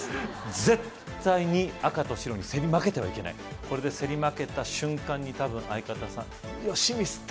絶対に赤と白に競り負けてはいけないこれで競り負けた瞬間にたぶん相方さん「よしミスった」